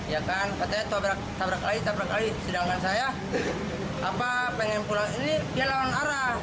ya kan katanya tabrak lagi sedangkan saya apa pengen pulang ini dia lawan arah